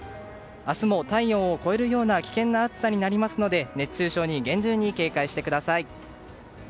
明日も体温を超えるような危険な暑さになりますので熱中症に厳重に警戒してください。